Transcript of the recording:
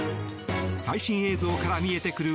最新映像から見えてくる